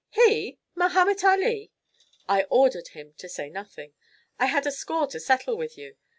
"He! Mahomet Ali!" "I ordered him to say nothing. I had a score to settle with you.